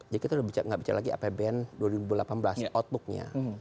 jadi kita sudah tidak bicara lagi apbn dua ribu delapan belas outbooknya